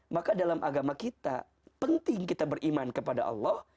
maka dalam agama kita penting kita beriman kepada allah